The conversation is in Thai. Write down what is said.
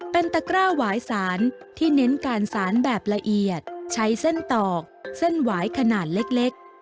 เป็นตะกร้าหวายสารที่เน้นการสารแบบละเอียดใช้เส้นตอกเส้นหวายขนาดเล็ก